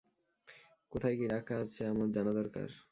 কোথায় কি রাখা সেটা আমার জানা দরকার।